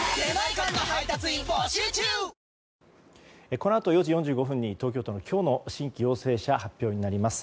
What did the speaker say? このあと、４時４５分に東京都の今日の新規陽性者発表になります。